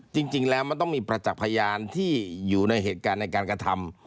จริงแล้วมันต้องมีประจักษ์พยานที่อยู่ในเหตุการณ์ในการกระทำ